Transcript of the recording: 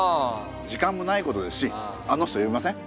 時間もないことですしあの人呼びません？